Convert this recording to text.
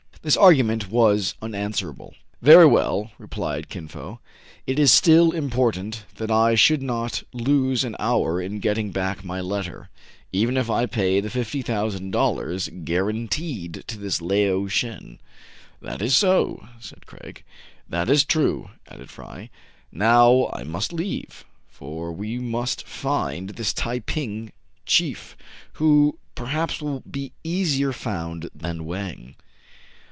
This argument was unanswerable. "Very well," replied Kin Fo. "It is still im portant that I should not lose an hour in getting back my letter, even if I pay the fifty thousand dollars guaranteed to this Lao Shen." " That is so," said Craig. " That is true," added Fry. " Now I must leave ; for we must find this Tai ping chief, who perhaps will be easier found than Wang."